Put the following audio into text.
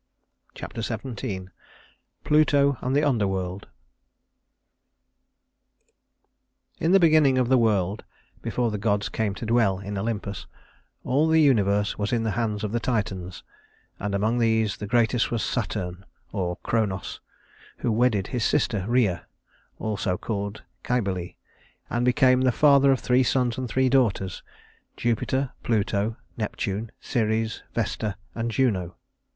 Chapter XVII Pluto and the Underworld In the beginning of the world, before the gods came to dwell in Olympus, all the universe was in the hands of the Titans; and among these the greatest was Saturn, or Cronos, who wedded his sister Rhea (also called Cybele) and became the father of three sons and three daughters, Jupiter, Pluto, Neptune, Ceres, Vesta, and Juno.